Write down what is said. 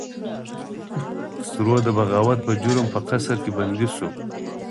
خسرو د بغاوت په جرم په قصر کې بندي شو.